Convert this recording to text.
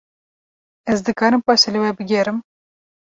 Ez dikarim paşê li we bigerim?